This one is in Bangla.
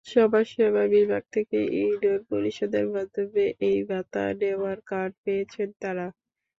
সমাজসেবা বিভাগ থেকে ইউনিয়ন পরিষদের মাধ্যমে এই ভাতা নেওয়ার কার্ড পেয়েছেন তাঁরা।